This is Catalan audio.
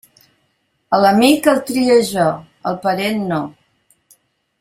A l'amic el trie jo, al parent no.